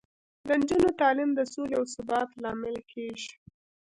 د نجونو تعلیم د سولې او ثبات لامل کیږي.